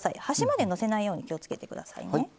端までのせないように気をつけてくださいね。